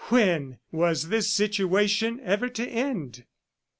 When was this situation ever to end?